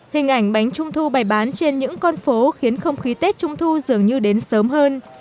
hình ảnh bánh trung thu bày bán trên những con phố khiến không khí tết trung thu dường như đến sớm hơn